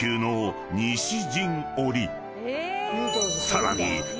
［さらに］